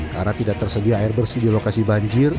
karena tidak tersedia air bersih di lokasi banjir